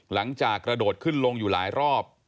หลังจากกระโดดขึ้นลงอยู่หลายรอบ